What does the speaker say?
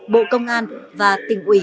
bộ công an và tỉnh ủy